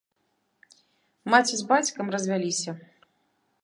Маці з бацькам развяліся.